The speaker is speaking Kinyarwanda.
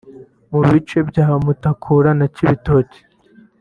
mu bice bya Mutakura na Cibitoke